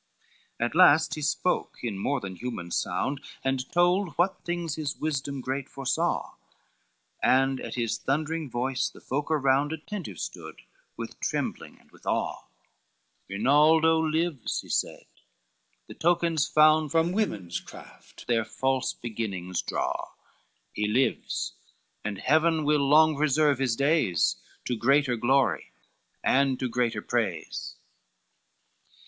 LXXIV At last he spoke, in more than human sound, And told what things his wisdom great foresaw, And at his thundering voice the folk around Attentive stood, with trembling and with awe: "Rinaldo lives," he said, "the tokens found From women's craft their false beginnings draw, He lives, and heaven will long preserve his days, To greater glory, and to greater praise.